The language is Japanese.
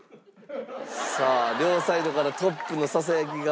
さあ両サイドから「トップ」のささやきが。